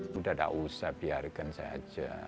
sudah tidak usah biarkan saja